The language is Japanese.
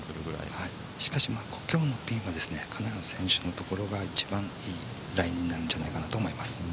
しかし、今日のピンも金谷選手のところが一番いいライになるんじゃないかと思います。